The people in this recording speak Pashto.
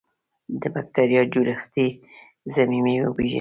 د بکټریا جوړښتي ضمیمې وپیژني.